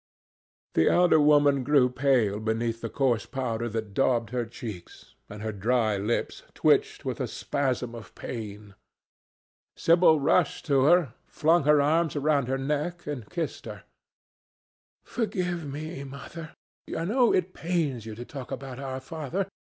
The elder woman grew pale beneath the coarse powder that daubed her cheeks, and her dry lips twitched with a spasm of pain. Sybil rushed to her, flung her arms round her neck, and kissed her. "Forgive me, Mother. I know it pains you to talk about our father.